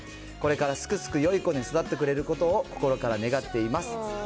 これからすくすくよい子に育ってくれることを心から願っています。